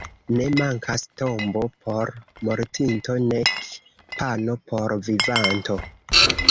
Ne mankas tombo por mortinto nek pano por vivanto.